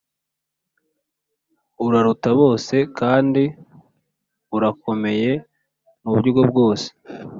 uraruta bose kandi urakomeye muburyo bwose